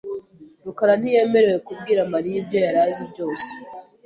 rukara ntiyemerewe kubwira Mariya ibyo yari azi byose .